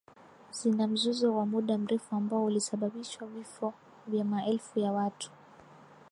zina mzozo wa muda mrefu ambao ulisababishwa vifo vya maelfu ya watu